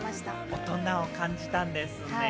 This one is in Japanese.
大人を感じたんですね。